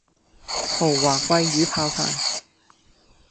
豪華鮭魚泡飯